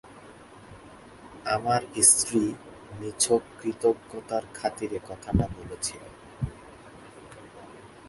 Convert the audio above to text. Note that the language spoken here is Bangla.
আমার স্ত্রী নিছক কৃতজ্ঞতার খাতিরে কথাটা বলেছিল।